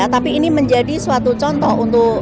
tapi ini menjadi suatu contoh untuk